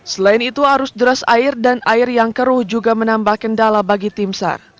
selain itu arus deras air dan air yang keruh juga menambah kendala bagi tim sar